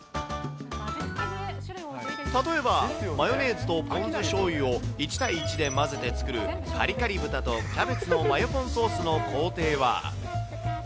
例えば、マヨネーズとポン酢しょうゆを１対１で混ぜて作るカリカリ豚とキャベツのマヨポンソースの工程は。